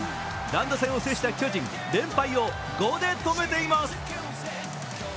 乱打戦を制した巨人、連敗を５で止めています。